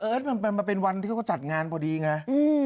มันเป็นวันที่เขาก็จัดงานพอดีไง